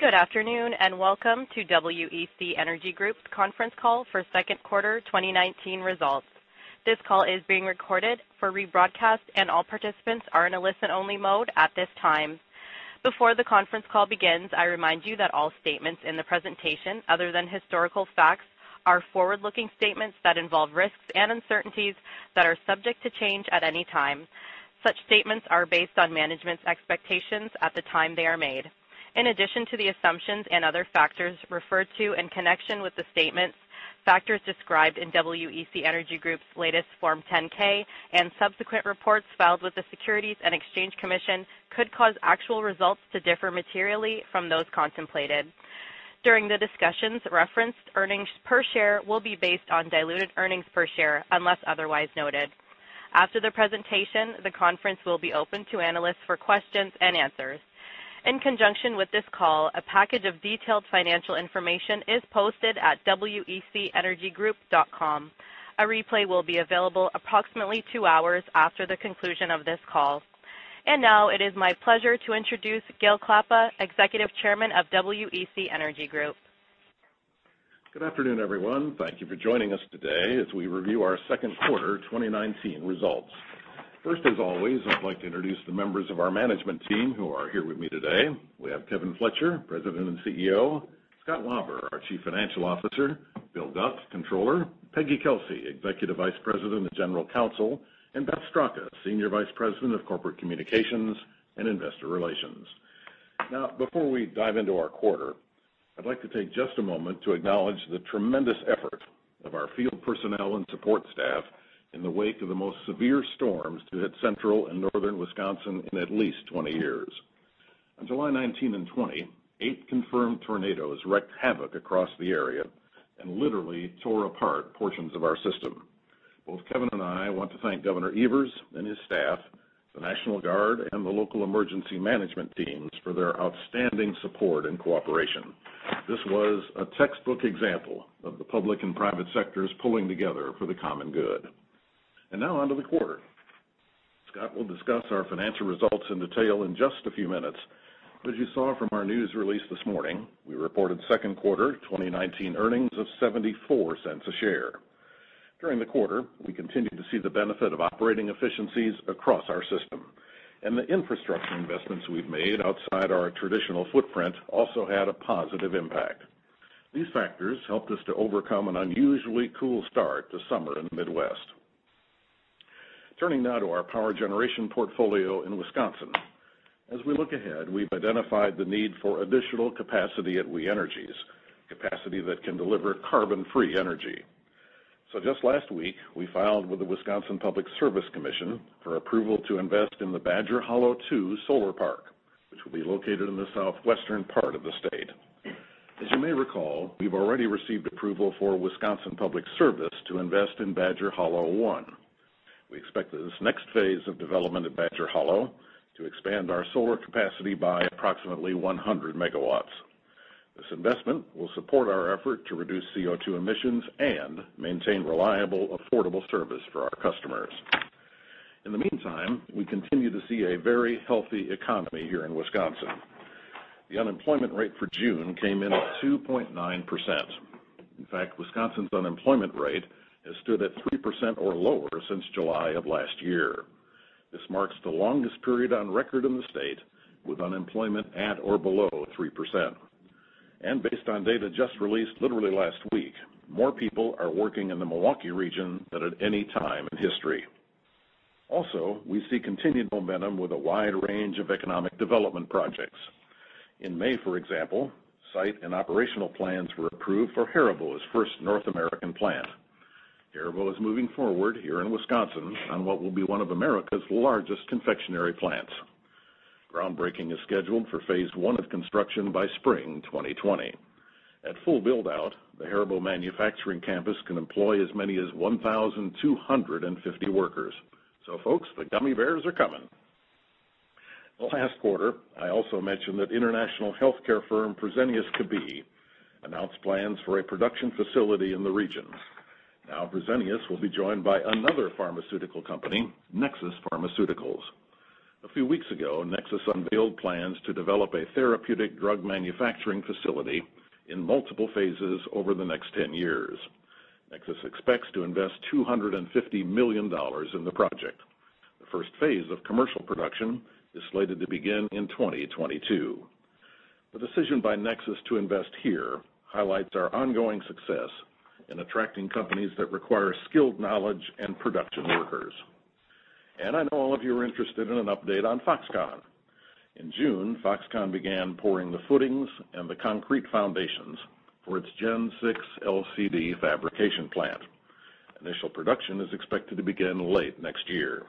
Good afternoon, and welcome to WEC Energy Group's conference call for second quarter 2019 results. This call is being recorded for rebroadcast, and all participants are in a listen-only mode at this time. Before the conference call begins, I remind you that all statements in the presentation, other than historical facts, are forward-looking statements that involve risks and uncertainties that are subject to change at any time. Such statements are based on management's expectations at the time they are made. In addition to the assumptions and other factors referred to in connection with the statement, factors described in WEC Energy Group's latest Form 10-K and subsequent reports filed with the Securities and Exchange Commission could cause actual results to differ materially from those contemplated. During the discussions, referenced earnings per share will be based on diluted earnings per share, unless otherwise noted. After the presentation, the conference will be open to analysts for questions and answers. In conjunction with this call, a package of detailed financial information is posted at wecenergygroup.com. A replay will be available approximately two hours after the conclusion of this call. Now it is my pleasure to introduce Gale Klappa, Executive Chairman of WEC Energy Group. Good afternoon, everyone. Thank you for joining us today as we review our second quarter 2019 results. First, as always, I'd like to introduce the members of our management team who are here with me today. We have Kevin Fletcher, President and CEO; Scott Lauber, our Chief Financial Officer; Bill Guc, Controller; Peggy Kelsey, Executive Vice President and General Counsel; and Beth Straka, Senior Vice President of Corporate Communications and Investor Relations. Now, before we dive into our quarter, I'd like to take just a moment to acknowledge the tremendous effort of our field personnel and support staff in the wake of the most severe storms to hit Central and Northern Wisconsin in at least 20 years. On July 19 and 20, eight confirmed tornadoes wrecked havoc across the area and literally tore apart portions of our system. Both Kevin and I want to thank Governor Evers and his staff, the National Guard, and the local emergency management teams for their outstanding support and cooperation. This was a textbook example of the public and private sectors pulling together for the common good. Now on to the quarter. Scott will discuss our financial results in detail in just a few minutes. As you saw from our news release this morning, we reported second quarter 2019 earnings of $0.74 a share. During the quarter, we continued to see the benefit of operating efficiencies across our system, and the infrastructure investments we've made outside our traditional footprint also had a positive impact. These factors helped us to overcome an unusually cool start to summer in the Midwest. Turning now to our power generation portfolio in Wisconsin. As we look ahead, we've identified the need for additional capacity at We Energies, capacity that can deliver carbon-free energy. Just last week, we filed with the Wisconsin Public Service Commission for approval to invest in the Badger Hollow 2 solar park, which will be located in the southwestern part of the state. As you may recall, we've already received approval for Wisconsin Public Service to invest in Badger Hollow 1. We expect that this next phase of development at Badger Hollow to expand our solar capacity by approximately 100 MW. This investment will support our effort to reduce CO2 emissions and maintain reliable, affordable service for our customers. In the meantime, we continue to see a very healthy economy here in Wisconsin. The unemployment rate for June came in at 2.9%. In fact, Wisconsin's unemployment rate has stood at 3% or lower since July of last year. This marks the longest period on record in the state with unemployment at or below 3%. Based on data just released literally last week, more people are working in the Milwaukee region than at any time in history. We see continued momentum with a wide range of economic development projects. In May, for example, site and operational plans were approved for Haribo's first North American plant. Haribo is moving forward here in Wisconsin on what will be one of America's largest confectionery plants. Groundbreaking is scheduled for phase 1 of construction by Spring 2020. At full build-out, the Haribo manufacturing campus can employ as many as 1,250 workers. Folks, the gummy bears are coming. Last quarter, I also mentioned that international healthcare firm, Fresenius Kabi, announced plans for a production facility in the region. Fresenius will be joined by another pharmaceutical company, Nexus Pharmaceuticals. A few weeks ago, Nexus unveiled plans to develop a therapeutic drug manufacturing facility in multiple phases over the next 10 years. Nexus expects to invest $250 million in the project. The first phase of commercial production is slated to begin in 2022. The decision by Nexus to invest here highlights our ongoing success in attracting companies that require skilled knowledge and production workers. I know all of you are interested in an update on Foxconn. In June, Foxconn began pouring the footings and the concrete foundations for its Gen 6 LCD fabrication plant. Initial production is expected to begin late next year.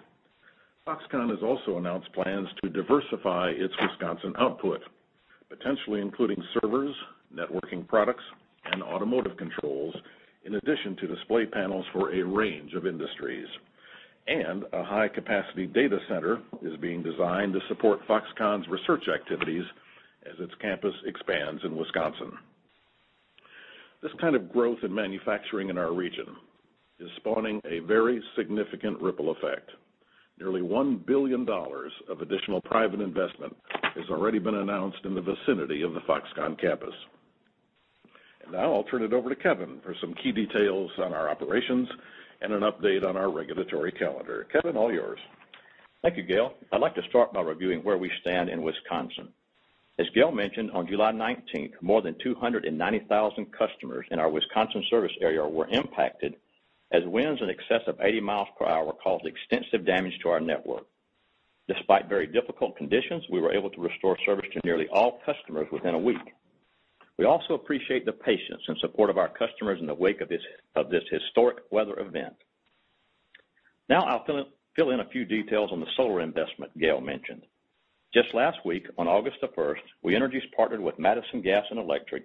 Foxconn has also announced plans to diversify its Wisconsin output, potentially including servers, networking products, and automotive controls, in addition to display panels for a range of industries. A high-capacity data center is being designed to support Foxconn's research activities as its campus expands in Wisconsin. This kind of growth in manufacturing in our region is spawning a very significant ripple effect. Nearly $1 billion of additional private investment has already been announced in the vicinity of the Foxconn campus. Now I'll turn it over to Kevin for some key details on our operations and an update on our regulatory calendar. Kevin, all yours. Thank you, Gale. I'd like to start by reviewing where we stand in Wisconsin. As Gale mentioned, on July 19th, more than 290,000 customers in our Wisconsin service area were impacted as winds in excess of 80 miles per hour caused extensive damage to our network. Despite very difficult conditions, we were able to restore service to nearly all customers within a week. We also appreciate the patience and support of our customers in the wake of this historic weather event. Now I'll fill in a few details on the solar investment Gale mentioned. Just last week, on August 1st, We Energies partnered with Madison Gas and Electric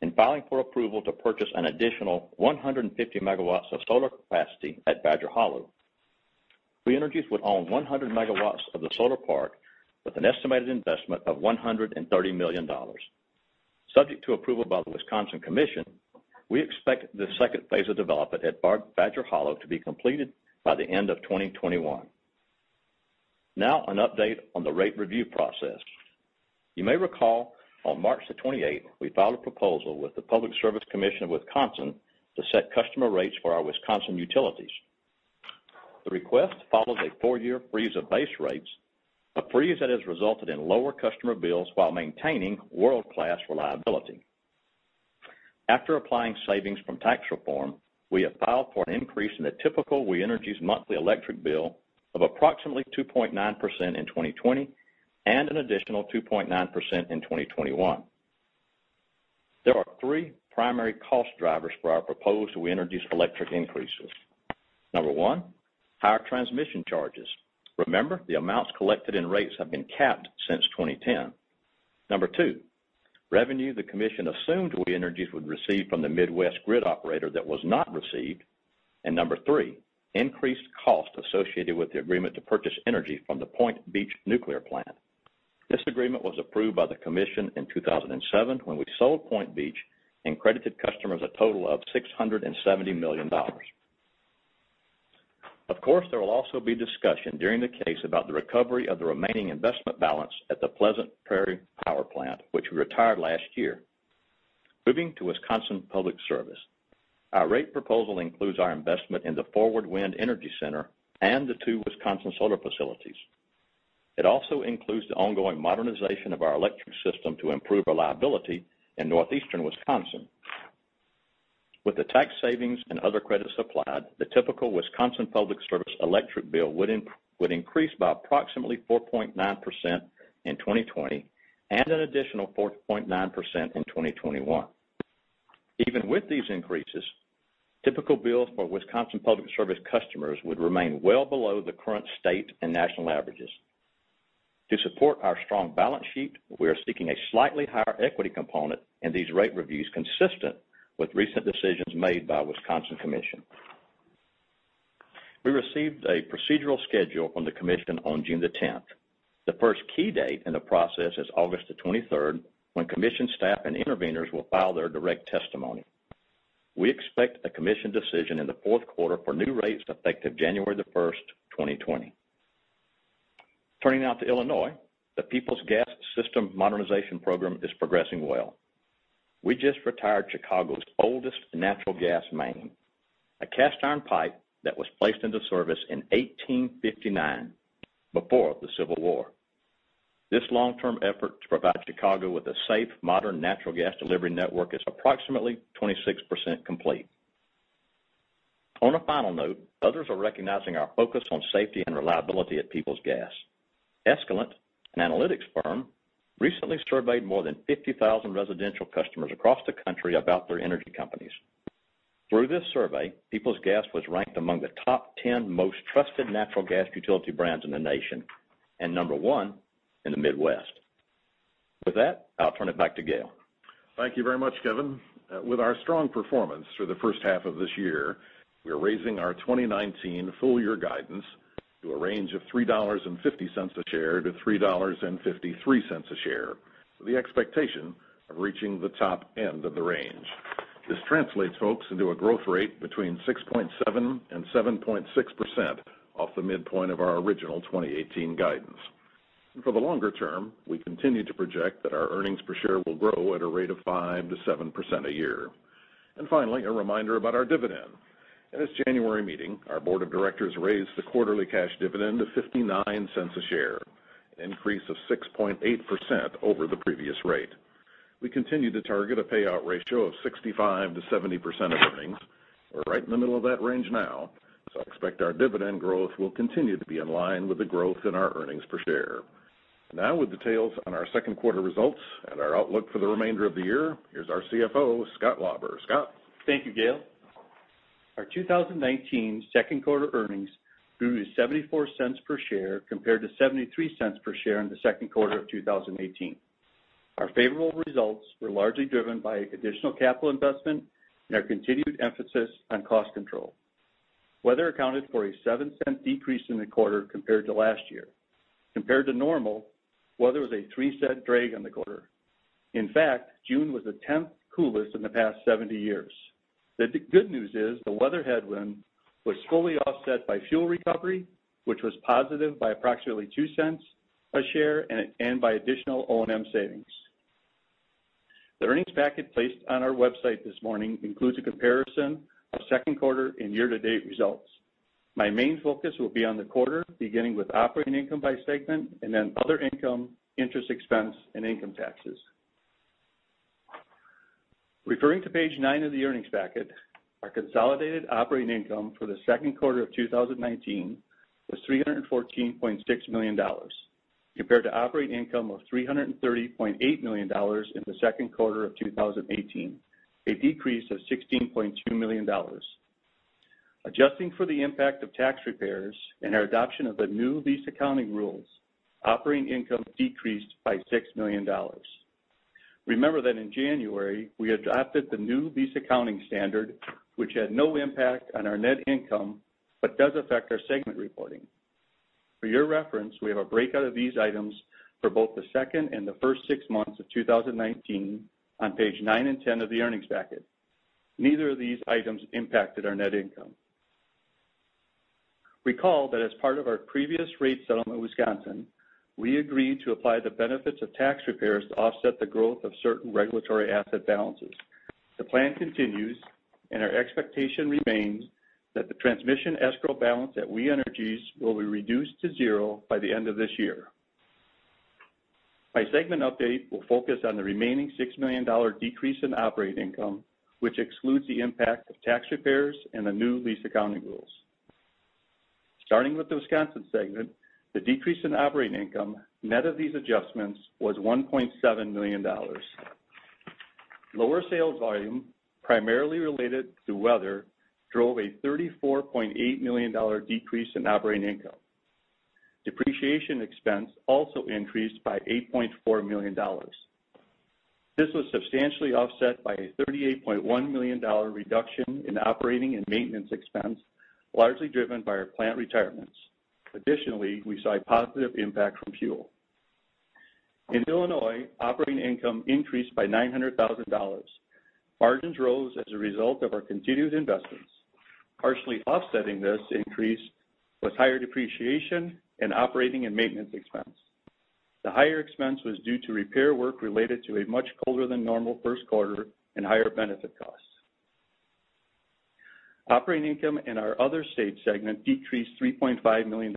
in filing for approval to purchase an additional 150 megawatts of solar capacity at Badger Hollow. We Energies would own 100 megawatts of the solar park with an estimated investment of $130 million. Subject to approval by the Wisconsin Commission, we expect the second phase of development at Badger Hollow to be completed by the end of 2021. Now an update on the rate review process. You may recall, on March 28th, we filed a proposal with the Public Service Commission of Wisconsin to set customer rates for our Wisconsin utilities. The request follows a four-year freeze of base rates, a freeze that has resulted in lower customer bills while maintaining world-class reliability. After applying savings from tax reform, we have filed for an increase in the typical We Energies monthly electric bill of approximately 2.9% in 2020, and an additional 2.9% in 2021. There are three primary cost drivers for our proposed We Energies electric increases. Number 1, higher transmission charges. Remember, the amounts collected in rates have been capped since 2010. Number 2, revenue the commission assumed We Energies would receive from the Midwest grid operator that was not received. Number 3, increased cost associated with the agreement to purchase energy from the Point Beach Nuclear Plant. This agreement was approved by the commission in 2007 when we sold Point Beach and credited customers a total of $670 million. Of course, there will also be discussion during the case about the recovery of the remaining investment balance at the Pleasant Prairie Power Plant, which we retired last year. Moving to Wisconsin Public Service. Our rate proposal includes our investment in the Forward Wind Energy Center and the two Wisconsin solar facilities. It also includes the ongoing modernization of our electric system to improve reliability in northeastern Wisconsin. With the tax savings and other credits applied, the typical Wisconsin Public Service electric bill would increase by approximately 4.9% in 2020 and an additional 4.9% in 2021. Even with these increases, typical bills for Wisconsin Public Service customers would remain well below the current state and national averages. To support our strong balance sheet, we are seeking a slightly higher equity component in these rate reviews consistent with recent decisions made by Wisconsin Commission. We received a procedural schedule from the Commission on June 10th. The first key date in the process is August 23rd, when Commission staff and interveners will file their direct testimony. We expect a Commission decision in the fourth quarter for new rates effective January 1st, 2020. Turning now to Illinois, the Peoples Gas System Modernization Program is progressing well. We just retired Chicago's oldest natural gas main, a cast iron pipe that was placed into service in 1859, before the Civil War. This long-term effort to provide Chicago with a safe, modern natural gas delivery network is approximately 26% complete. On a final note, others are recognizing our focus on safety and reliability at Peoples Gas. Escalent, an analytics firm, recently surveyed more than 50,000 residential customers across the country about their energy companies. Through this survey, Peoples Gas was ranked among the top 10 most trusted natural gas utility brands in the nation, and number 1 in the Midwest. With that, I'll turn it back to Gale. Thank you very much, Kevin. With our strong performance through the first half of this year, we are raising our 2019 full year guidance to a range of $3.50 a share to $3.53 a share, with the expectation of reaching the top end of the range. This translates, folks, into a growth rate between 6.7% and 7.6% off the midpoint of our original 2018 guidance. For the longer term, we continue to project that our earnings per share will grow at a rate of 5%-7% a year. Finally, a reminder about our dividend. At its January meeting, our board of directors raised the quarterly cash dividend to $0.59 a share, an increase of 6.8% over the previous rate. We continue to target a payout ratio of 65%-70% of earnings. We're right in the middle of that range now. Expect our dividend growth will continue to be in line with the growth in our earnings per share. With details on our second quarter results and our outlook for the remainder of the year, here's our CFO, Scott Lauber. Scott? Thank you, Gale. Our 2019 second quarter earnings grew to $0.74 per share, compared to $0.73 per share in the second quarter of 2018. Our favorable results were largely driven by additional capital investment and our continued emphasis on cost control. Weather accounted for a $0.07 decrease in the quarter compared to last year. Compared to normal, weather was a $0.03 drag on the quarter. In fact, June was the 10th coolest in the past 70 years. The good news is the weather headwind was fully offset by fuel recovery, which was positive by approximately $0.02 a share and by additional O&M savings. The earnings packet placed on our website this morning includes a comparison of second quarter and year-to-date results. My main focus will be on the quarter, beginning with operating income by segment and then other income, interest expense, and income taxes. Referring to page nine of the earnings packet, our consolidated operating income for the second quarter of 2019 was $314.6 million, compared to operating income of $330.8 million in the second quarter of 2018, a decrease of $16.2 million. Adjusting for the impact of tax repairs and our adoption of the new lease accounting rules, operating income decreased by $6 million. Remember that in January, we adopted the new lease accounting standard, which had no impact on our net income but does affect our segment reporting. For your reference, we have a breakout of these items for both the second and the first six months of 2019 on page nine and 10 of the earnings packet. Neither of these items impacted our net income. Recall that as part of our previous rate settlement in Wisconsin, we agreed to apply the benefits of tax repairs to offset the growth of certain regulatory asset balances. The plan continues, and our expectation remains that the transmission escrow balance at We Energies will be reduced to zero by the end of this year. My segment update will focus on the remaining $6 million decrease in operating income, which excludes the impact of tax repairs and the new lease accounting rules. Starting with the Wisconsin segment, the decrease in operating income, net of these adjustments, was $1.7 million. Lower sales volume, primarily related to weather, drove a $34.8 million decrease in operating income. Depreciation expense also increased by $8.4 million. This was substantially offset by a $38.1 million reduction in operating and maintenance expense, largely driven by our plant retirements. Additionally, we saw a positive impact from fuel. In Illinois, operating income increased by $900,000. Margins rose as a result of our continued investments. Partially offsetting this increase was higher depreciation and operating and maintenance expense. The higher expense was due to repair work related to a much colder than normal first quarter and higher benefit costs. Operating income in our other state segment decreased $3.5 million.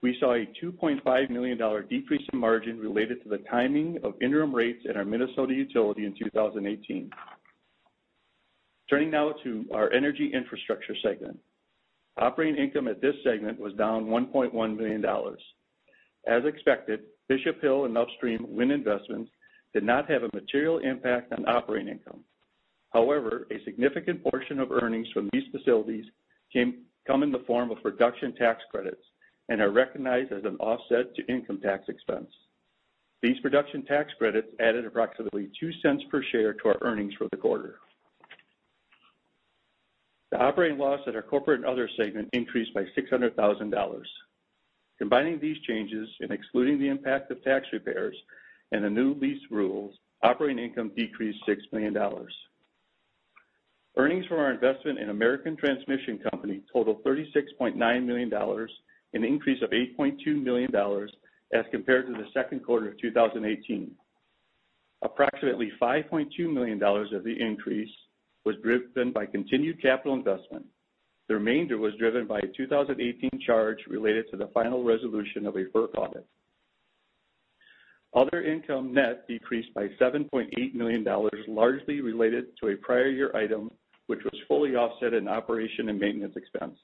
We saw a $2.5 million decrease in margin related to the timing of interim rates at our Minnesota utility in 2018. Turning now to our energy infrastructure segment. Operating income at this segment was down $1.1 million. As expected, Bishop Hill and Upstream wind investments did not have a material impact on operating income. A significant portion of earnings from these facilities come in the form of production tax credits and are recognized as an offset to income tax expense. These production tax credits added approximately $0.02 per share to our earnings for the quarter. The operating loss at our corporate and other segment increased by $600,000. Combining these changes and excluding the impact of tax repairs and the new lease rules, operating income decreased $6 million. Earnings from our investment in American Transmission Company totaled $36.9 million, an increase of $8.2 million as compared to the second quarter of 2018. Approximately $5.2 million of the increase was driven by continued capital investment. The remainder was driven by a 2018 charge related to the final resolution of a FERC audit. Other income net decreased by $7.8 million, largely related to a prior year item, which was fully offset in operation and maintenance expense.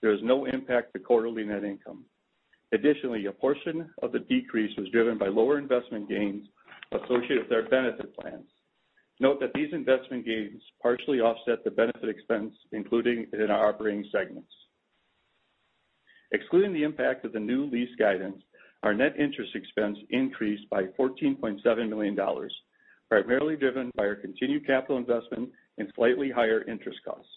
There was no impact to quarterly net income. Additionally, a portion of the decrease was driven by lower investment gains associated with our benefit plans. Note that these investment gains partially offset the benefit expense included in our operating segments. Excluding the impact of the new lease guidance, our net interest expense increased by $14.7 million, primarily driven by our continued capital investment and slightly higher interest costs.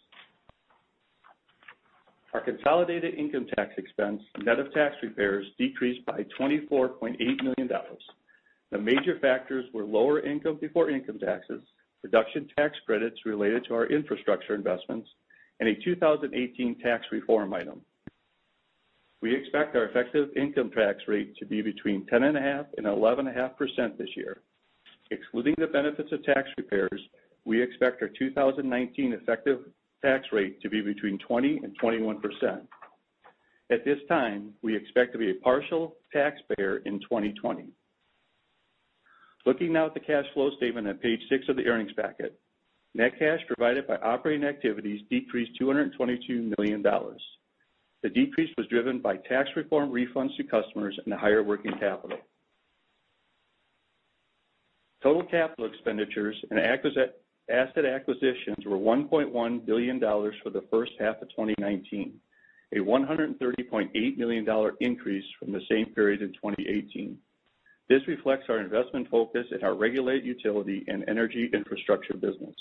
Our consolidated income tax expense, net of tax repairs, decreased by $24.8 million. The major factors were lower income before income taxes, production tax credits related to our infrastructure investments, and a 2018 tax reform item. We expect our effective income tax rate to be between 10.5% and 11.5% this year. Excluding the benefits of tax repairs, we expect our 2019 effective tax rate to be between 20% and 21%. At this time, we expect to be a partial taxpayer in 2020. Looking now at the cash flow statement on page six of the earnings packet. Net cash provided by operating activities decreased $222 million. The decrease was driven by tax reform refunds to customers and higher working capital. Total CapEx and asset acquisitions were $1.1 billion for the first half of 2019, a $130.8 million increase from the same period in 2018. This reflects our investment focus in our regulated utility and energy infrastructure business.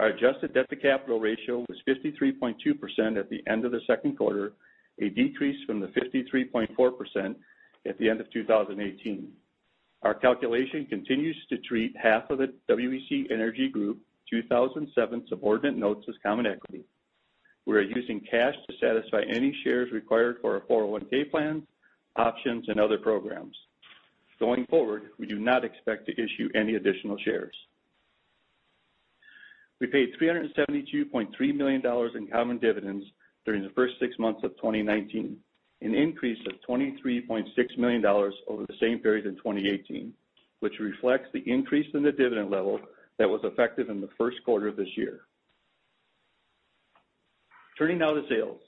Our adjusted debt-to-capital ratio was 53.2% at the end of the second quarter, a decrease from the 53.4% at the end of 2018. Our calculation continues to treat half of the WEC Energy Group 2007 Subordinated Notes as common equity. We are using cash to satisfy any shares required for our 401(k) plans, options, and other programs. Going forward, we do not expect to issue any additional shares. We paid $372.3 million in common dividends during the first six months of 2019, an increase of $23.6 million over the same period in 2018, which reflects the increase in the dividend level that was effective in the first quarter of this year. Turning now to sales.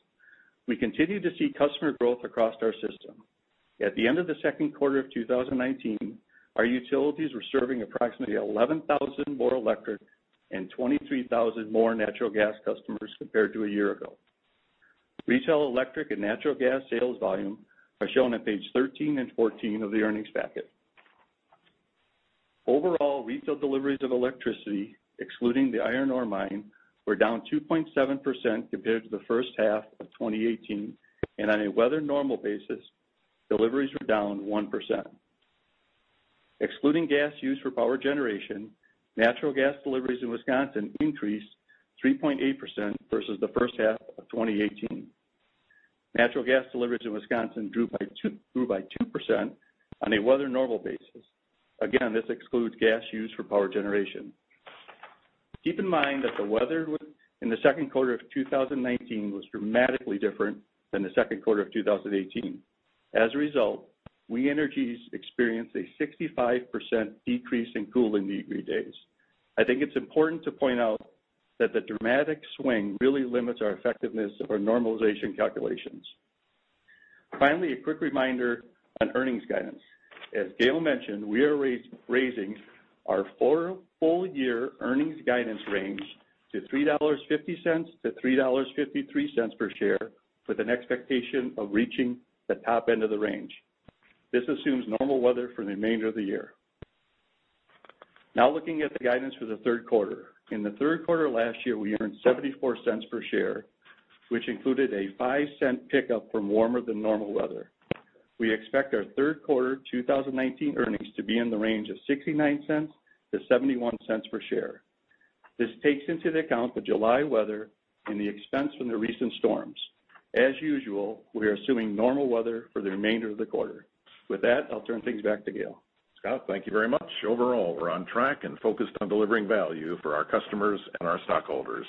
We continue to see customer growth across our system. At the end of the second quarter of 2019, our utilities were serving approximately 11,000 more electric and 23,000 more natural gas customers compared to a year ago. Retail electric and natural gas sales volume are shown on page 13 and 14 of the earnings packet. Overall, retail deliveries of electricity, excluding the iron ore mine, were down 2.7% compared to the first half of 2018, and on a weather normal basis, deliveries were down 1%. Excluding gas used for power generation, natural gas deliveries in Wisconsin increased 3.8% versus the first half of 2018. Natural gas deliveries in Wisconsin grew by 2% on a weather normal basis. Again, this excludes gas used for power generation. Keep in mind that the weather in the second quarter of 2019 was dramatically different than the second quarter of 2018. As a result, We Energies experienced a 65% decrease in cooling degree days. I think it's important to point out that the dramatic swing really limits our effectiveness of our normalization calculations. Finally, a quick reminder on earnings guidance. As Gale mentioned, we are raising our full year earnings guidance range to $3.50 to $3.53 per share with an expectation of reaching the top end of the range. This assumes normal weather for the remainder of the year. Looking at the guidance for the third quarter. In the third quarter last year, we earned $0.74 per share, which included a $0.05 pickup from warmer than normal weather. We expect our third quarter 2019 earnings to be in the range of $0.69 to $0.71 per share. This takes into account the July weather and the expense from the recent storms. As usual, we are assuming normal weather for the remainder of the quarter. With that, I'll turn things back to Gale. Scott, thank you very much. Overall, we're on track and focused on delivering value for our customers and our stockholders.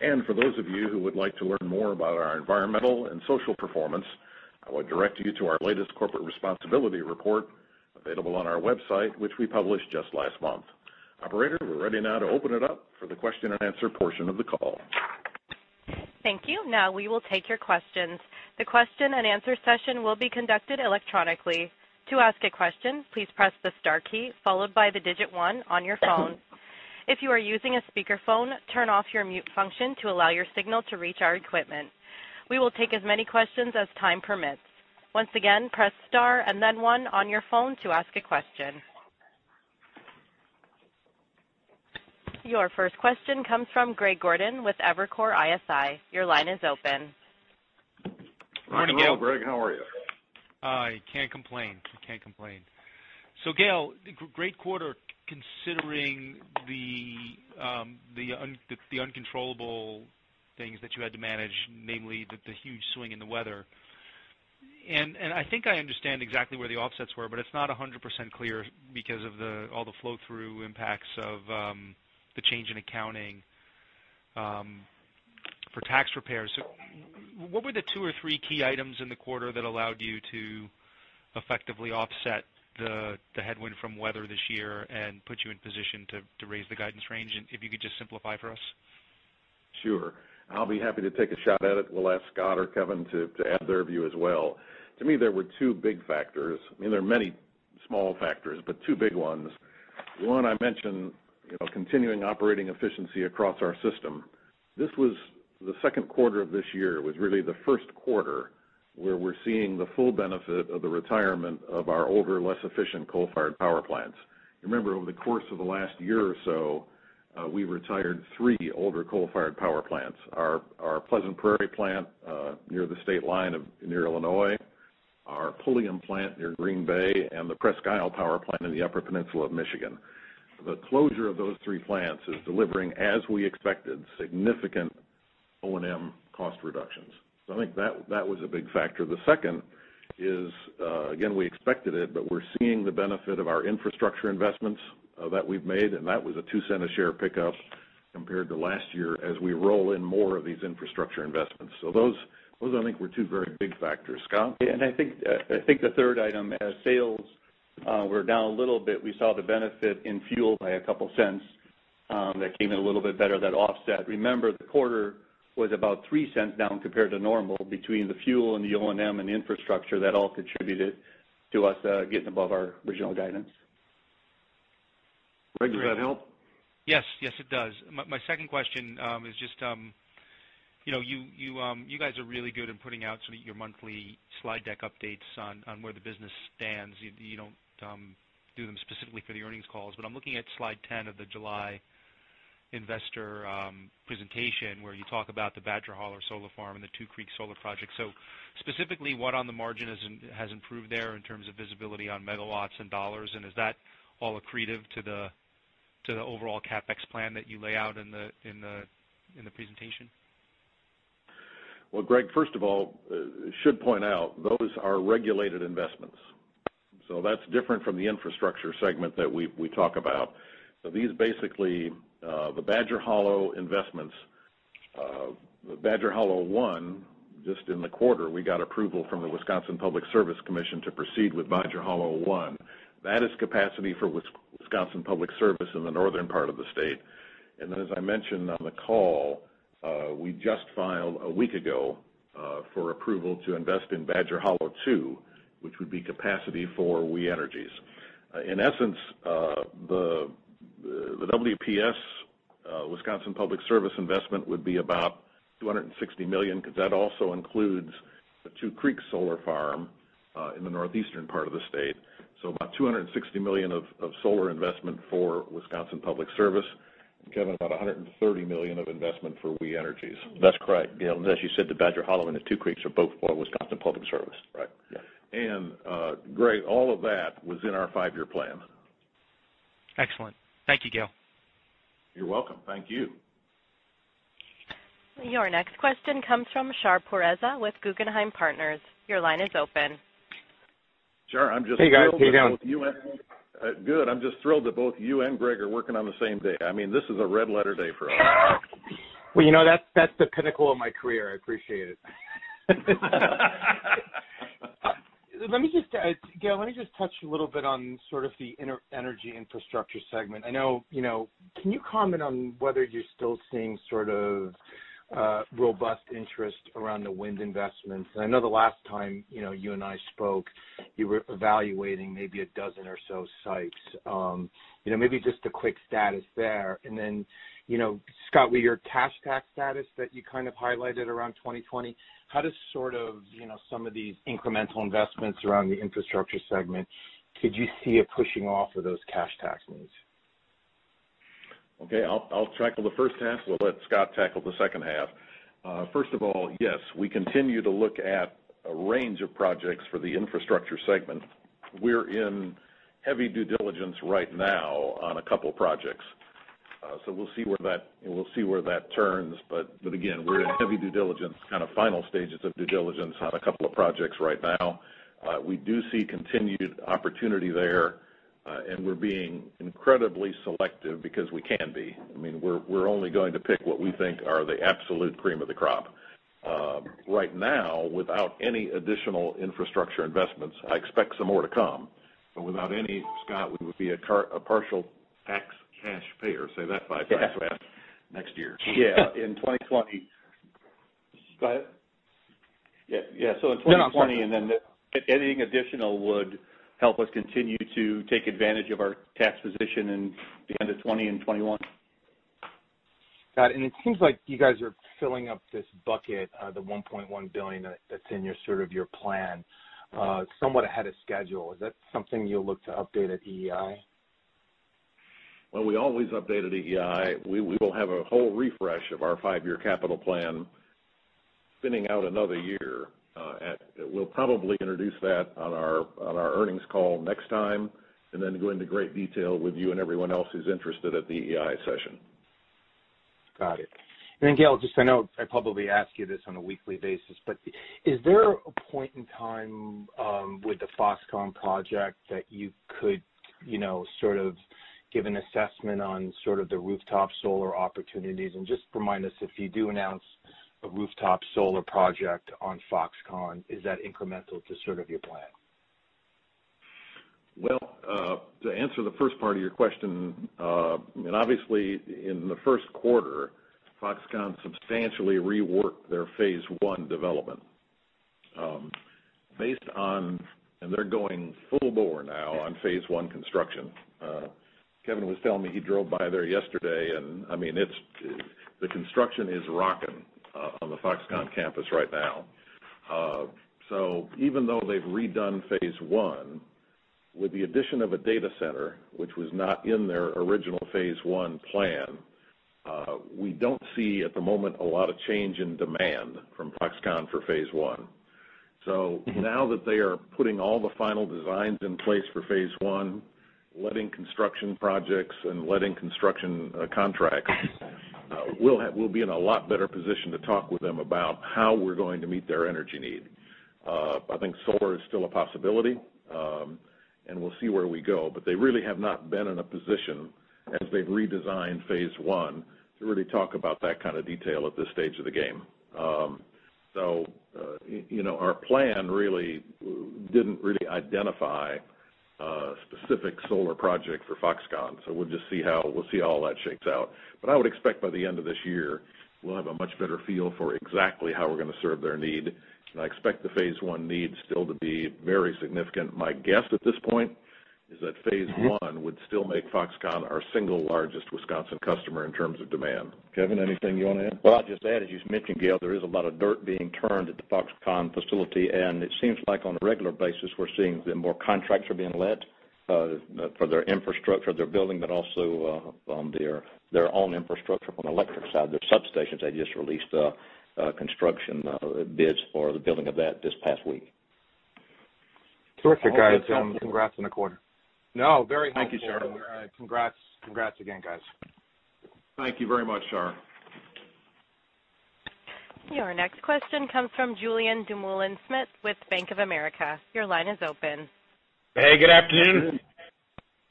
For those of you who would like to learn more about our environmental and social performance, I would direct you to our latest corporate responsibility report available on our website, which we published just last month. Operator, we're ready now to open it up for the question and answer portion of the call. Thank you. We will take your questions. The question and answer session will be conducted electronically. To ask a question, please press the star key followed by the digit 1 on your phone. If you are using a speakerphone, turn off your mute function to allow your signal to reach our equipment. We will take as many questions as time permits. Once again, press star and then 1 on your phone to ask a question. Your first question comes from Greg Gordon with Evercore ISI. Your line is open. Morning, Greg. Hi, Greg. How are you? I can't complain. Gale, great quarter considering the uncontrollable things that you had to manage, namely the huge swing in the weather. I think I understand exactly where the offsets were, but it's not 100% clear because of all the flow-through impacts of the change in accounting for tax repairs. What were the two or three key items in the quarter that allowed you to effectively offset the headwind from weather this year and put you in position to raise the guidance range? If you could just simplify for us. Sure. I'll be happy to take a shot at it. We'll ask Scott or Kevin to add their view as well. To me, there were two big factors. There are many small factors, but two big ones. One, I mentioned continuing operating efficiency across our system. The second quarter of this year was really the first quarter where we're seeing the full benefit of the retirement of our older, less efficient coal-fired power plants. Remember, over the course of the last year or so, we retired three older coal-fired power plants. Our Pleasant Prairie plant, near the state line of near Illinois, our Pulliam plant near Green Bay, and the Presque Isle Power Plant in the Upper Peninsula of Michigan. The closure of those three plants is delivering, as we expected, significant O&M cost reductions. I think that was a big factor. The second is, again, we expected it, but we're seeing the benefit of our infrastructure investments that we've made, and that was a $0.02 a share pickup compared to last year as we roll in more of these infrastructure investments. Those I think were two very big factors. Scott? I think the third item, as sales were down a little bit, we saw the benefit in fuel by a couple cents, that came in a little bit better, that offset. Remember, the quarter was about $0.03 down compared to normal between the fuel and the O&M and the infrastructure. That all contributed to us getting above our original guidance. Greg, does that help? Yes, it does. My second question is just, you guys are really good in putting out your monthly slide deck updates on where the business stands. You don't do them specifically for the earnings calls. I'm looking at slide 10 of the July investor presentation, where you talk about the Badger Hollow Solar Farm and the Two Creeks Solar project. Specifically, what on the margin has improved there in terms of visibility on megawatts and dollars? Is that all accretive to the overall CapEx plan that you lay out in the presentation? Greg, first of all, should point out those are regulated investments. That's different from the infrastructure segment that we talk about. These basically, the Badger Hollow investments. The Badger Hollow one, just in the quarter, we got approval from the Public Service Commission of Wisconsin to proceed with Badger Hollow one. That is capacity for Wisconsin Public Service in the northern part of the state. As I mentioned on the call, we just filed a week ago, for approval to invest in Badger Hollow two, which would be capacity for We Energies. In essence, the WPS, Wisconsin Public Service investment would be about $260 million because that also includes the Two Creeks Solar Park, in the northeastern part of the state. About $260 million of solar investment for Wisconsin Public Service. Kevin, about $130 million of investment for We Energies. That's correct, Gale. As you said, the Badger Hollow and the Two Creeks are both for Wisconsin Public Service. Right. Yeah. Greg, all of that was in our five-year plan. Excellent. Thank you, Gale. You're welcome. Thank you. Your next question comes from Shar Pourreza with Guggenheim Partners. Your line is open. Shar, I'm just thrilled that both you and. Hey, guys. How you doing? Good. I'm just thrilled that both you and Greg are working on the same day. This is a red letter day for us. Gale, Let me just touch a little bit on the energy infrastructure segment. Can you comment on whether you're still seeing robust interest around the wind investments? I know the last time you and I spoke, you were evaluating maybe a dozen or so sites. Maybe just a quick status there. Scott, with your cash tax status that you highlighted around 2020, how does some of these incremental investments around the infrastructure segment, could you see it pushing off of those cash tax needs? Okay. I'll tackle the first half. We'll let Scott tackle the second half. First of all, yes, we continue to look at a range of projects for the infrastructure segment. We're in heavy due diligence right now on a couple projects. We'll see where that turns, but again, we're in heavy due diligence, kind of final stages of due diligence on a couple of projects right now. We do see continued opportunity there, and we're being incredibly selective because we can be. We're only going to pick what we think are the absolute cream of the crop. Right now, without any additional infrastructure investments, I expect some more to come. Without any, Scott, we would be a partial tax cash payer, say that five times fast, next year. Yeah. In 2020. Go ahead. Yeah. No, I'm sorry. Anything additional would help us continue to take advantage of our tax position in the end of 2020 and 2021. Got it. It seems like you guys are filling up this bucket, the $1.1 billion that's in your plan, somewhat ahead of schedule. Is that something you'll look to update at EEI? Well, we always update at EEI. We will have a whole refresh of our five-year capital plan spinning out another year. We'll probably introduce that on our earnings call next time, and then go into great detail with you and everyone else who's interested at the EEI session. Got it. Gale, just I know I probably ask you this on a weekly basis, is there a point in time with the Foxconn project that you could give an assessment on the rooftop solar opportunities? Just remind us, if you do announce a rooftop solar project on Foxconn, is that incremental to your plan? Well, to answer the first part of your question, in the first quarter, Foxconn substantially reworked their phase one development. They're going full bore now on phase one construction. Kevin was telling me he drove by there yesterday, the construction is rocking on the Foxconn campus right now. Even though they've redone phase one, with the addition of a data center, which was not in their original phase one plan, we don't see at the moment a lot of change in demand from Foxconn for phase one. Now that they are putting all the final designs in place for phase one, letting construction projects and letting construction contracts, we'll be in a lot better position to talk with them about how we're going to meet their energy need. I think solar is still a possibility, we'll see where we go. They really have not been in a position as they've redesigned Phase 1 to really talk about that kind of detail at this stage of the game. Our plan really didn't really identify a specific solar project for Foxconn. We'll just see how all that shakes out. I would expect by the end of this year, we'll have a much better feel for exactly how we're going to serve their need. I expect the Phase 1 need still to be very significant. My guess at this point is that Phase 1 would still make Foxconn our single largest Wisconsin customer in terms of demand. Kevin, anything you want to add? Well, I'll just add, as you mentioned, Gale, there is a lot of dirt being turned at the Foxconn facility. It seems like on a regular basis, we're seeing that more contracts are being let for their infrastructure, their building, but also their own infrastructure from an electric side, their substations. They just released construction bids for the building of that this past week. Terrific, guys. Congrats on the quarter. No, very helpful. Thank you, Shar. Congrats again, guys. Thank you very much, Shar. Your next question comes from Julien Dumoulin-Smith with Bank of America. Your line is open. Hey, good afternoon.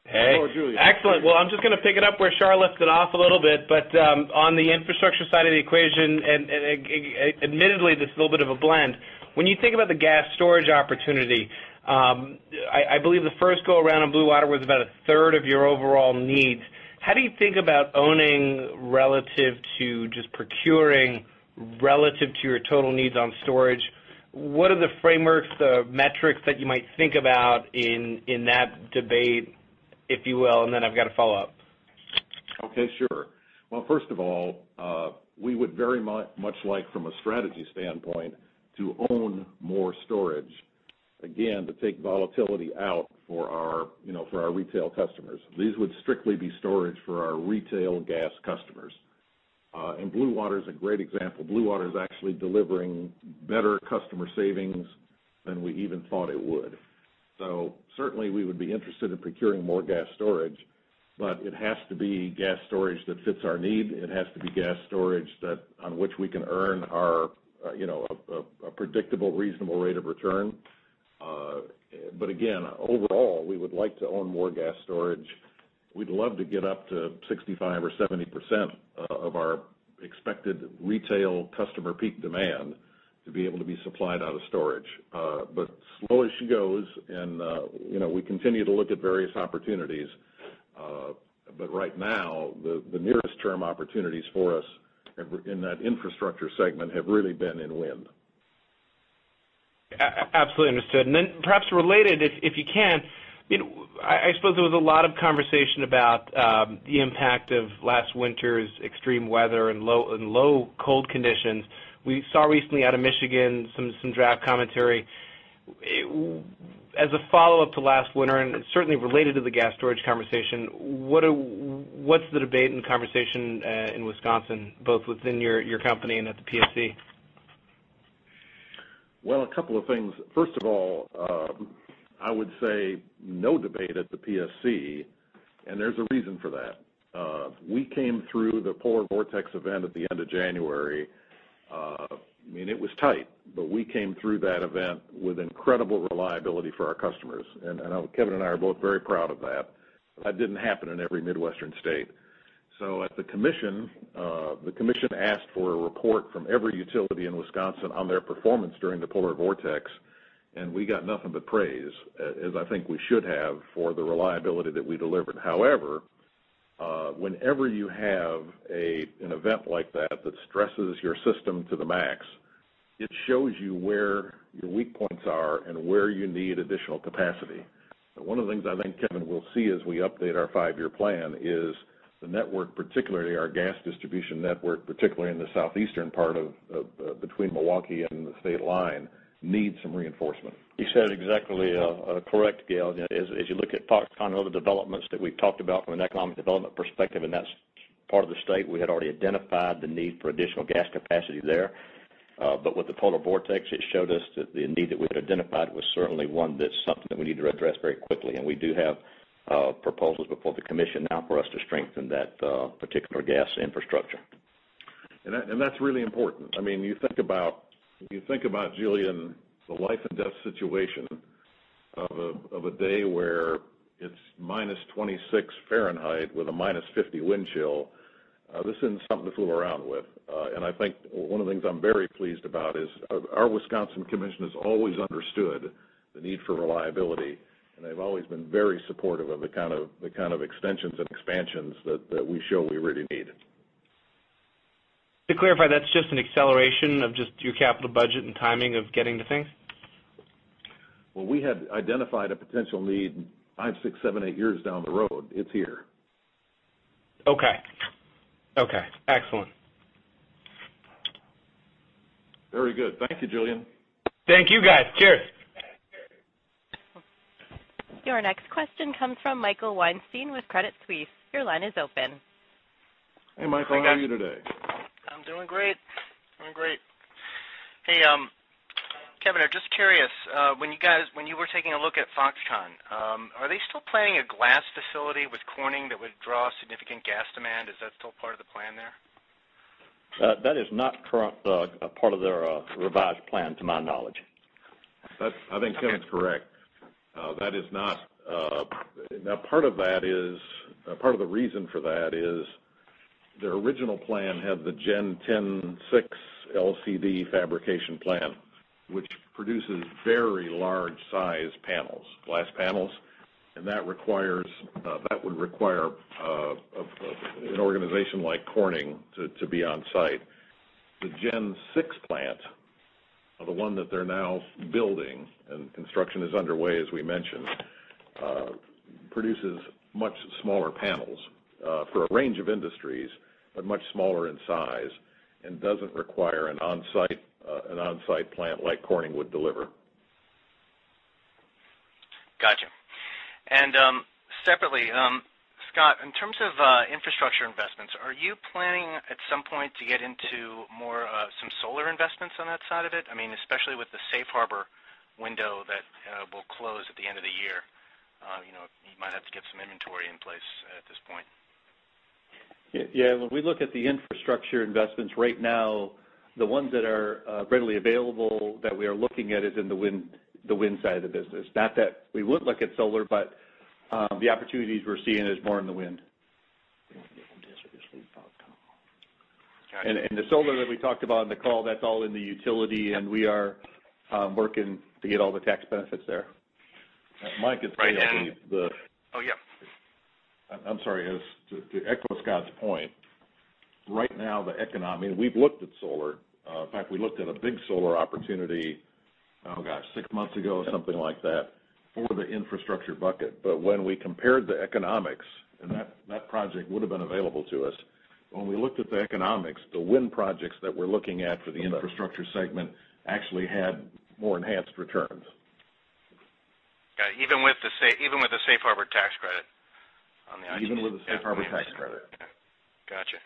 Hello, Julien. Excellent. Well, I'm just going to pick it up where Shar left it off a little bit, on the infrastructure side of the equation, admittedly, this is a little bit of a blend. When you think about the gas storage opportunity, I believe the first go-around on Bluewater was about a third of your overall needs. How do you think about owning relative to just procuring relative to your total needs on storage? What are the frameworks, the metrics that you might think about in that debate, if you will? I've got a follow-up. Okay, sure. Well, first of all, we would very much like from a strategy standpoint to own more storage. To take volatility out for our retail customers. These would strictly be storage for our retail gas customers. Bluewater is a great example. Bluewater is actually delivering better customer savings than we even thought it would. Certainly, we would be interested in procuring more gas storage, but it has to be gas storage that fits our need. It has to be gas storage on which we can earn a predictable, reasonable rate of return. Again, overall, we would like to own more gas storage. We'd love to get up to 65% or 70% of our expected retail customer peak demand to be able to be supplied out of storage. Slowly she goes and we continue to look at various opportunities. Right now, the nearest term opportunities for us in that infrastructure segment have really been in wind. Absolutely understood. Perhaps related, if you can, I suppose there was a lot of conversation about the impact of last winter's extreme weather and low cold conditions. We saw recently out of Michigan, some draft commentary. As a follow-up to last winter, and certainly related to the gas storage conversation, what's the debate and conversation in Wisconsin, both within your company and at the PSC? Well, a couple of things. First of all, I would say no debate at the PSC, and there's a reason for that. We came through the polar vortex event at the end of January. I mean, it was tight, but we came through that event with incredible reliability for our customers. I know Kevin and I are both very proud of that. That didn't happen in every Midwestern state. At the commission, the commission asked for a report from every utility in Wisconsin on their performance during the polar vortex, and we got nothing but praise, as I think we should have, for the reliability that we delivered. However, whenever you have an event like that stresses your system to the max, it shows you where your weak points are and where you need additional capacity. One of the things I think Kevin will see as we update our five-year plan is the network, particularly our gas distribution network, particularly in the southeastern part between Milwaukee and the state line, needs some reinforcement. You said it exactly correct, Gale. As you look at Foxconn and other developments that we've talked about from an economic development perspective in that part of the state, we had already identified the need for additional gas capacity there. With the polar vortex, it showed us that the need that we had identified was certainly one that's something that we need to address very quickly, and we do have proposals before the commission now for us to strengthen that particular gas infrastructure. That's really important. If you think about, Julien, the life-and-death situation of a day where it's -26 degrees Fahrenheit with a -50 wind chill, this isn't something to fool around with. I think one of the things I'm very pleased about is our Wisconsin Commission has always understood the need for reliability, and they've always been very supportive of the kind of extensions and expansions that we show we really need. To clarify, that's just an acceleration of just your capital budget and timing of getting to things? Well, we had identified a potential need five, six, seven, eight years down the road. It's here. Okay. Excellent. Very good. Thank you, Julien. Thank you, guys. Cheers. Your next question comes from Michael Weinstein with Credit Suisse. Your line is open. Hey, Michael. How are you today? I'm doing great. Hey, Kevin, I'm just curious. When you were taking a look at Foxconn, are they still planning a glass facility with Corning that would draw significant gas demand? Is that still part of the plan there? That is not currently a part of their revised plan, to my knowledge. I think Kevin's correct. Part of the reason for that is their original plan had the Gen 10 6 LCD fabrication plan, which produces very large size glass panels, and that would require an organization like Corning to be on-site. The Gen 6 plant, the one that they're now building, and construction is underway, as we mentioned, produces much smaller panels for a range of industries, but much smaller in size, and doesn't require an on-site plant like Corning would deliver. Got you. Separately, Scott, in terms of infrastructure investments, are you planning at some point to get into more some solar investments on that side of it? Especially with the safe harbor window that will close at the end of the year. You might have to get some inventory in place at this point. Yeah. When we look at the infrastructure investments right now, the ones that are readily available that we are looking at is in the wind side of the business. Not that we wouldn't look at solar, but the opportunities we're seeing is more in the wind. Got you. The solar that we talked about in the call, that's all in the utility, and we are working to get all the tax benefits there. Mike could say, I believe. Oh, yeah. I'm sorry. To echo Scott's point, right now, we've looked at solar. In fact, we looked at a big solar opportunity, oh, gosh, six months ago or something like that for the infrastructure bucket. When we compared the economics, and that project would've been available to us. When we looked at the economics, the wind projects that we're looking at for the infrastructure segment actually had more enhanced returns. Got you. Even with the safe harbor tax credit on the. Even with the safe harbor tax credit. Got you.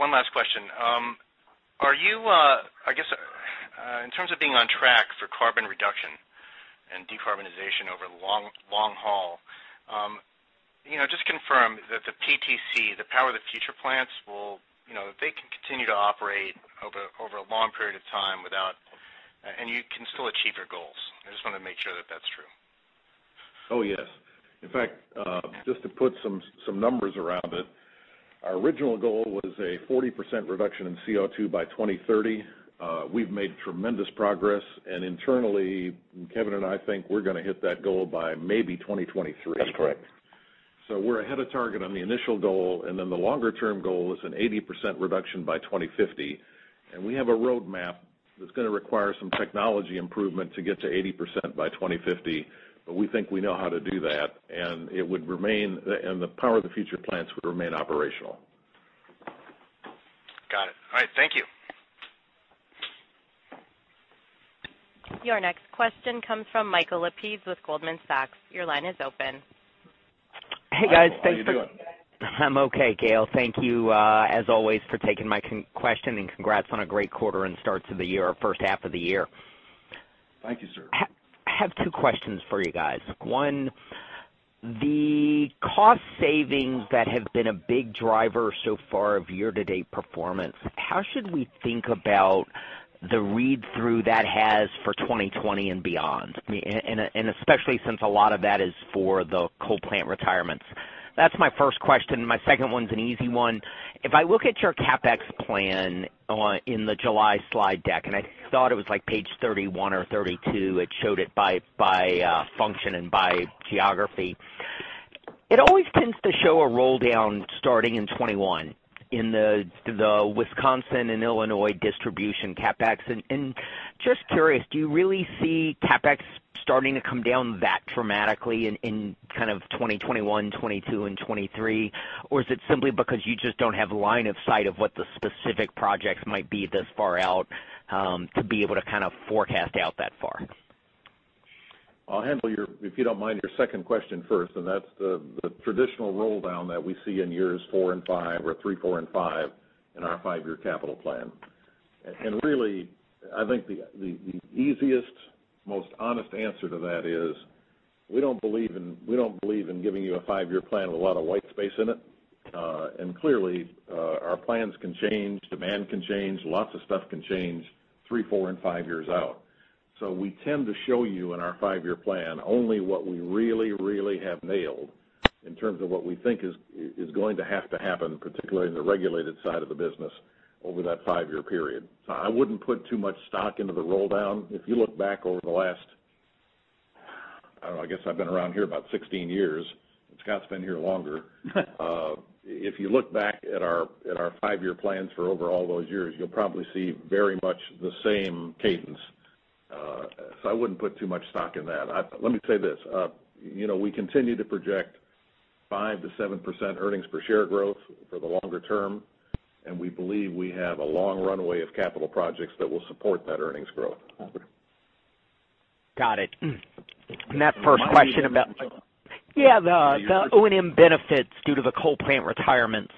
One last question. I guess, in terms of being on track for carbon reduction and decarbonization over long haul, just confirm that the PTC, the Power of the Future plants, they can continue to operate over a long period of time, and you can still achieve your goals. I just want to make sure that that's true. Oh, yes. In fact, just to put some numbers around it, our original goal was a 40% reduction in CO2 by 2030. Internally, Kevin and I think we're going to hit that goal by maybe 2023. That's correct. We're ahead of target on the initial goal, and then the longer-term goal is an 80% reduction by 2050. We have a roadmap that's going to require some technology improvement to get to 80% by 2050. We think we know how to do that, and the Power the Future plants would remain operational. Got it. All right. Thank you. Your next question comes from Michael Lapides with Goldman Sachs. Your line is open. Hey, guys. Thanks. Michael, how you doing? I'm okay, Gale. Thank you, as always, for taking my question, and congrats on a great quarter and starts of the year, first half of the year. Thank you, sir. I have two questions for you guys. One, the cost savings that have been a big driver so far of year-to-date performance, how should we think about the read-through that has for 2020 and beyond? Especially since a lot of that is for the coal plant retirements. That's my first question. My second one's an easy one. If I look at your CapEx plan in the July slide deck, and I thought it was page 31 or 32, it always tends to show a roll-down starting in 2021 in the Wisconsin and Illinois distribution CapEx. Just curious, do you really see CapEx starting to come down that dramatically in kind of 2021, 2022, and 2023? Is it simply because you just don't have line of sight of what the specific projects might be this far out, to be able to kind of forecast out that far? I'll handle, if you don't mind, your second question first, and that's the traditional roll-down that we see in years 4 and 5 or 3, 4, and 5 in our 5-year capital plan. Really, I think the easiest, most honest answer to that is we don't believe in giving you a 5-year plan with a lot of white space in it. Clearly, our plans can change, demand can change, lots of stuff can change 3, 4, and 5 years out. We tend to show you in our 5-year plan only what we really have nailed in terms of what we think is going to have to happen, particularly in the regulated side of the business over that 5-year period. I wouldn't put too much stock into the roll-down. If you look back over the last, I don't know, I guess I've been around here about 16 years, and Scott's been here longer. If you look back at our five-year plans for over all those years, you'll probably see very much the same cadence. I wouldn't put too much stock in that. Let me say this. We continue to project 5% to 7% earnings per share growth for the longer term, and we believe we have a long runway of capital projects that will support that earnings growth. Got it. You might be thinking about something else. Yeah, the O&M benefits due to the coal plant retirements.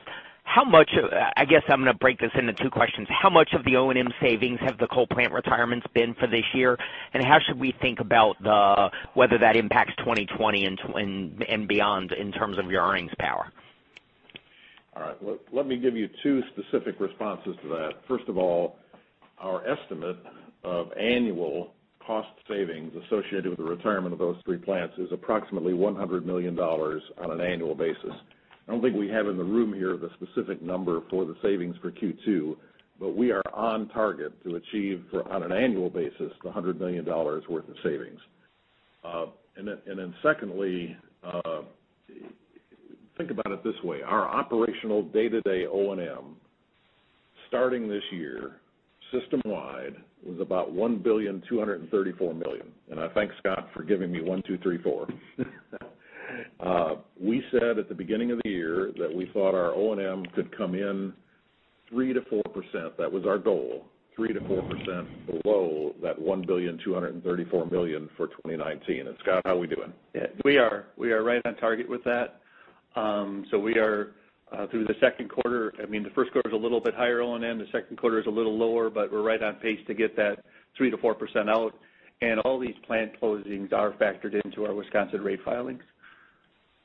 I guess I'm going to break this into two questions. How much of the O&M savings have the coal plant retirements been for this year, and how should we think about whether that impacts 2020 and beyond in terms of your earnings power? All right. Let me give you two specific responses to that. First of all, our estimate of annual cost savings associated with the retirement of those three plants is approximately $100 million on an annual basis. I don't think we have in the room here the specific number for the savings for Q2, but we are on target to achieve, on an annual basis, the $100 million worth of savings. Secondly, think about it this way: our operational day-to-day O&M, starting this year, system-wide, was about $1.234 billion. I thank Scott for giving me one, two, three, four. We said at the beginning of the year that we thought our O&M could come in 3%-4%. That was our goal, 3%-4% below that $1.234 billion for 2019. Scott, how we doing? Yeah, we are right on target with that. We are through the second quarter. I mean, the first quarter's a little bit higher O&M, the second quarter is a little lower, we're right on pace to get that 3%-4% out. All these plant closings are factored into our Wisconsin rate filings,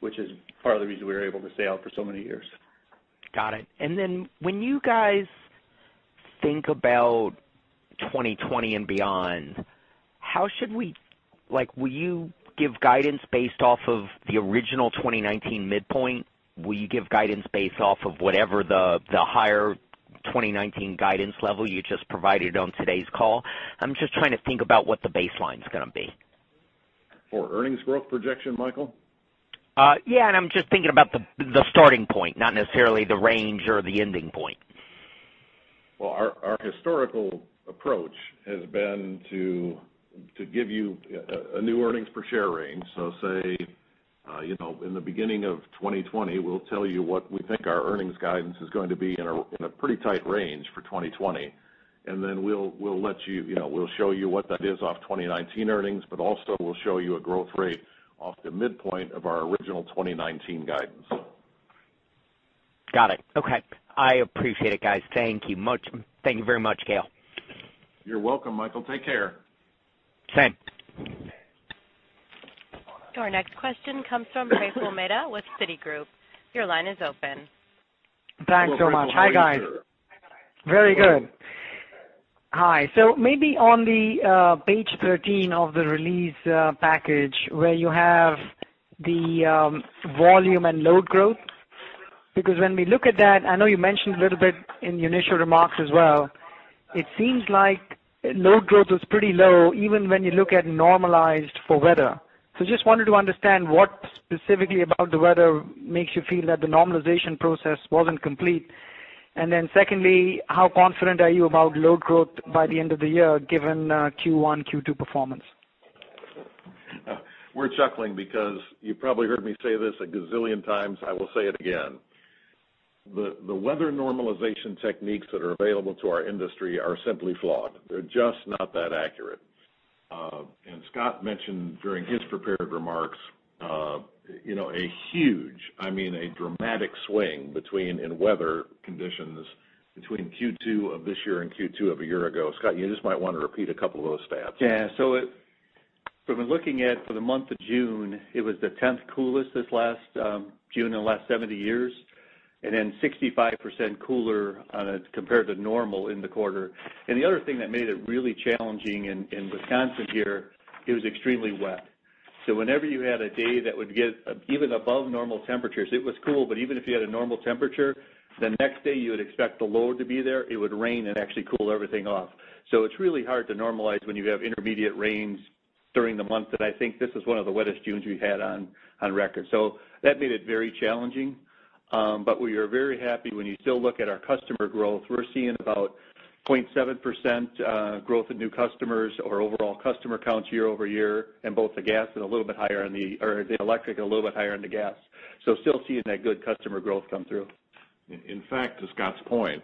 which is part of the reason we were able to stay out for so many years. Got it. When you guys think about 2020 and beyond, will you give guidance based off of the original 2019 midpoint? Will you give guidance based off of whatever the higher 2019 guidance level you just provided on today's call? I'm just trying to think about what the baseline's going to be. For earnings growth projection, Michael? Yeah, I'm just thinking about the starting point, not necessarily the range or the ending point. Our historical approach has been to give you a new earnings per share range. Say, in the beginning of 2020, we'll tell you what we think our earnings guidance is going to be in a pretty tight range for 2020. We'll show you what that is off 2019 earnings, but also we'll show you a growth rate off the midpoint of our original 2019 guidance. Got it. Okay. I appreciate it, guys. Thank you very much, Gale. You're welcome, Michael. Take care. Same. Our next question comes from Praful Mehta with Citigroup. Your line is open. Hello, Praful. How are you, sir? Thanks so much. Hi, guys. Very good. Hi. Maybe on the page 13 of the release package where you have the volume and load growth, because when we look at that, I know you mentioned a little bit in your initial remarks as well, it seems like load growth was pretty low even when you look at normalized for weather. Just wanted to understand what specifically about the weather makes you feel that the normalization process wasn't complete. Secondly, how confident are you about load growth by the end of the year, given Q1, Q2 performance? We're chuckling because you probably heard me say this a gazillion times. I will say it again. The weather normalization techniques that are available to our industry are simply flawed. They're just not that accurate. Scott mentioned during his prepared remarks a huge, I mean, a dramatic swing in weather conditions between Q2 of this year and Q2 of a year ago. Scott, you just might want to repeat a couple of those stats. Yeah. We've been looking at, for the month of June, it was the 10th coolest this last June in the last 70 years, 65% cooler compared to normal in the quarter. The other thing that made it really challenging in Wisconsin here, it was extremely wet. Whenever you had a day that would get even above normal temperatures, it was cool, even if you had a normal temperature, the next day you would expect the load to be there. It would rain and actually cool everything off. It's really hard to normalize when you have intermediate rains during the month, I think this is one of the wettest Junes we've had on record. That made it very challenging. We are very happy when you still look at our customer growth. We're seeing about 0.7% growth in new customers or overall customer counts year-over-year in both the gas and a little bit higher on the electric and a little bit higher on the gas. Still seeing that good customer growth come through. In fact, to Scott's point,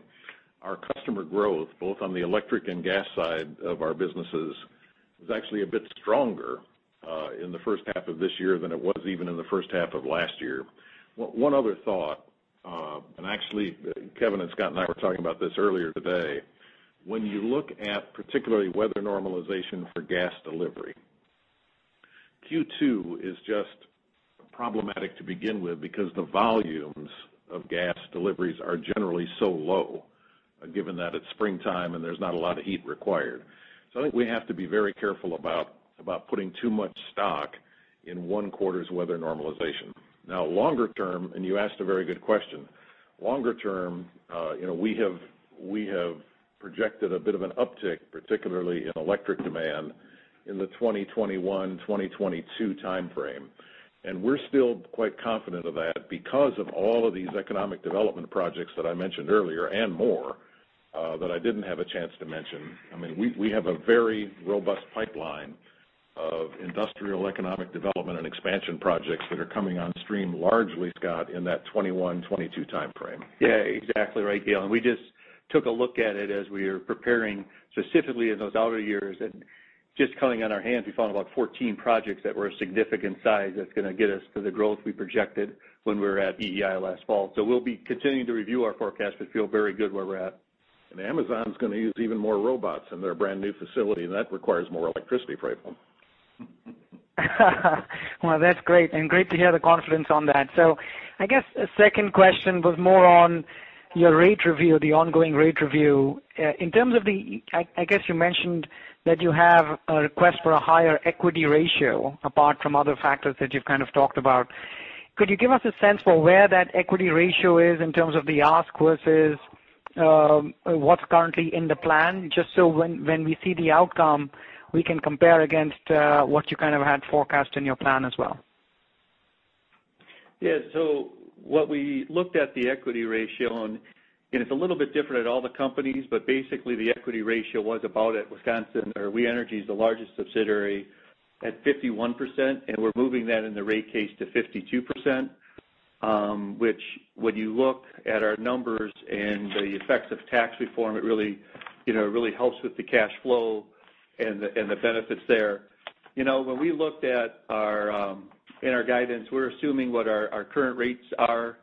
our customer growth, both on the electric and gas side of our businesses, was actually a bit stronger in the first half of this year than it was even in the first half of last year. One other thought, actually, Kevin and Scott and I were talking about this earlier today. When you look at particularly weather normalization for gas delivery, Q2 is just problematic to begin with because the volumes of gas deliveries are generally so low, given that it's springtime and there's not a lot of heat required. I think we have to be very careful about putting too much stock in one quarter's weather normalization. Now, longer term, you asked a very good question. Longer term, we have projected a bit of an uptick, particularly in electric demand in the 2021, 2022 timeframe. We're still quite confident of that because of all of these economic development projects that I mentioned earlier and more, that I didn't have a chance to mention. I mean, we have a very robust pipeline of industrial economic development and expansion projects that are coming on stream largely, Scott, in that 2021, 2022 timeframe. Yeah, exactly right, Gale. We just took a look at it as we are preparing specifically in those outer years. Just counting on our hands, we found about 14 projects that were a significant size that's going to get us to the growth we projected when we were at EEI last fall. We'll be continuing to review our forecast, but feel very good where we're at. Amazon's going to use even more robots in their brand-new facility, and that requires more electricity, Praful. Well, that's great, and great to hear the confidence on that. I guess a second question was more on your rate review, the ongoing rate review. I guess you mentioned that you have a request for a higher equity ratio apart from other factors that you've kind of talked about. Could you give us a sense for where that equity ratio is in terms of the ask versus what's currently in the plan? Just so when we see the outcome, we can compare against what you kind of had forecast in your plan as well. Yeah. What we looked at the equity ratio on, and it's a little bit different at all the companies, but basically the equity ratio was about, at Wisconsin, or We Energies' the largest subsidiary at 51%, and we're moving that in the rate case to 52%, which when you look at our numbers and the effects of tax reform, it really helps with the cash flow and the benefits there. When we looked at in our guidance, we're assuming what our current rates are.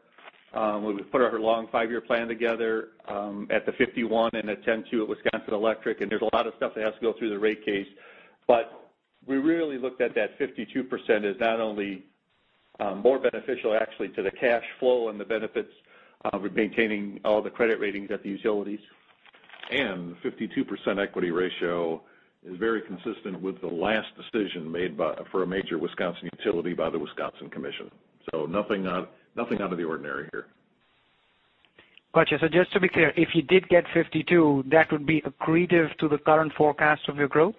When we put our long five-year plan together, at the 51 and the 10.2% ROE at Wisconsin Electric, and there's a lot of stuff that has to go through the rate case. We really looked at that 52% as not only more beneficial actually to the cash flow and the benefits of maintaining all the credit ratings at the utilities. A 52% equity ratio is very consistent with the last decision made for a major Wisconsin utility by the Wisconsin Commission. Nothing out of the ordinary here. Got you. Just to be clear, if you did get 52, that would be accretive to the current forecast of your group?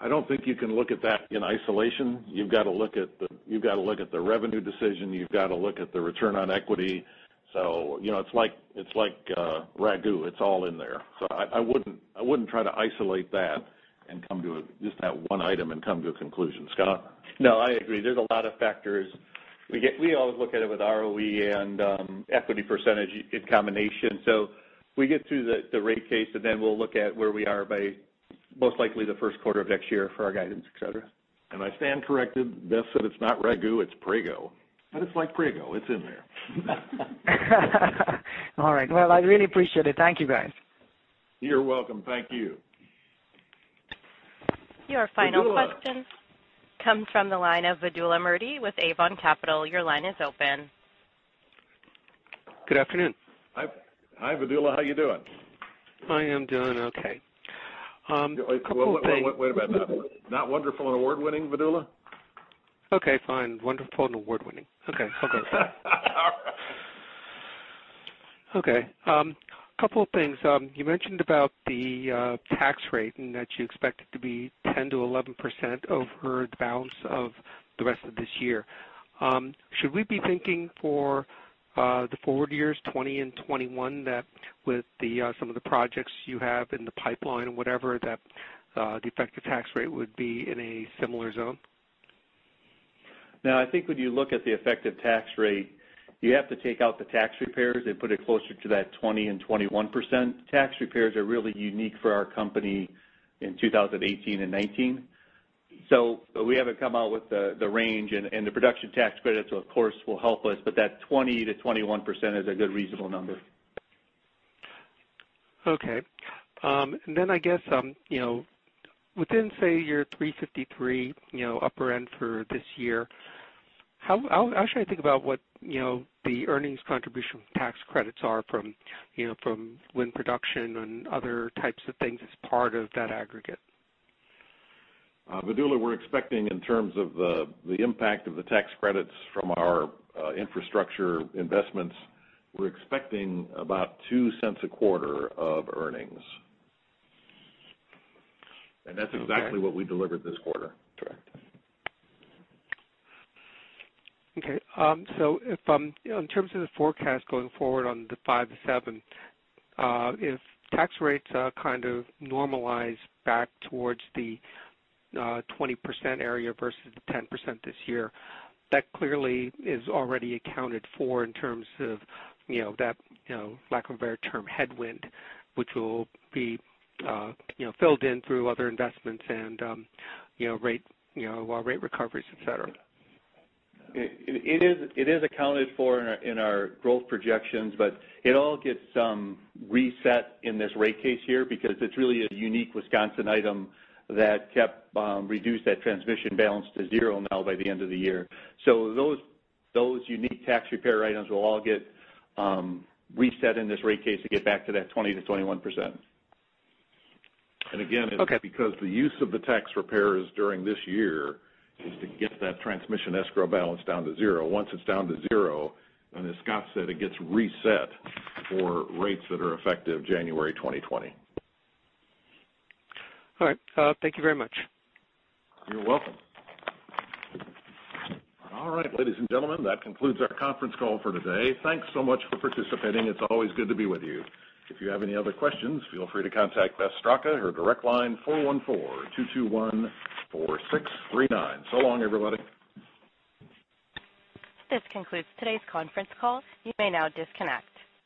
I don't think you can look at that in isolation. You've got to look at the revenue decision. You've got to look at the return on equity. It's like Ragu. It's all in there. I wouldn't try to isolate that and come to just that one item and come to a conclusion. Scott? No, I agree. There's a lot of factors. We always look at it with ROE and equity percentage in combination. We get through the rate case, and then we'll look at where we are by most likely the first quarter of next year for our guidance, et cetera. I stand corrected. Beth said it's not Ragu, it's Prego. It's like Prego. It's in there. All right. Well, I really appreciate it. Thank you, guys. You're welcome. Thank you. Your final question comes from the line of Vidula Murti with Avon Capital. Your line is open. Good afternoon. Hi, Vidula. How you doing? I am doing okay. A couple of things. Wait about that. Not wonderful and award-winning, Vidula? Okay, fine. Wonderful and award-winning. Couple of things. You mentioned about the tax rate and that you expect it to be 10%-11% over the balance of the rest of this year. Should we be thinking for the forward years 2020 and 2021 that with some of the projects you have in the pipeline or whatever, that the effective tax rate would be in a similar zone? No, I think when you look at the effective tax rate, you have to take out the tax repairs and put it closer to that 20%-21%. Tax repairs are really unique for our company in 2018 and 2019. We haven't come out with the range, and the production tax credits, of course, will help us, but that 20%-21% is a good reasonable number. Okay. Then I guess, within say your $353 upper end for this year, how should I think about what the earnings contribution tax credits are from wind production and other types of things as part of that aggregate? Vidula, we're expecting in terms of the impact of the tax credits from our infrastructure investments, we're expecting about $0.02 a quarter of earnings. That's exactly what we delivered this quarter. Correct. Okay. In terms of the forecast going forward on the 5-7, if tax rates kind of normalize back towards the 20% area versus the 10% this year, that clearly is already accounted for in terms of that, lack of better term, headwind, which will be filled in through other investments and rate recoveries, et cetera. It is accounted for in our growth projections, but it all gets reset in this rate case here because it's really a unique Wisconsin item that reduced that transmission balance to zero now by the end of the year. Those unique tax repair items will all get reset in this rate case to get back to that 20%-21%. And again- Okay It's because the use of the tax repairs during this year is to get that transmission escrow balance down to zero. Once it's down to zero, and as Scott said, it gets reset for rates that are effective January 2020. All right. Thank you very much. You're welcome. All right, ladies and gentlemen, that concludes our conference call for today. Thanks so much for participating. It's always good to be with you. If you have any other questions, feel free to contact Beth Straka, her direct line 414-221-4639. So long, everybody. This concludes today's conference call. You may now disconnect.